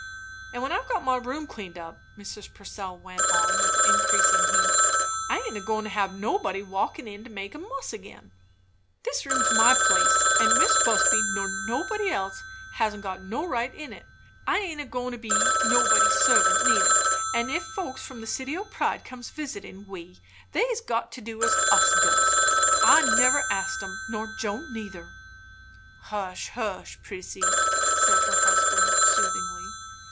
"And when I've got my room cleaned up," Mrs. Purcell went on with increasing heat, "I aint a goin' to have nobody walkin' in to make a muss again. This room's my place, and Mis' Busby nor nobody else hasn't got no right in it. I aint a goin' to be nobody's servant, neither; and if folks from the City o' Pride comes visitin' we, they's got to do as us does. I never asked 'em, nor Joe neither." "Hush, hush, Prissy!" said her husband soothingly.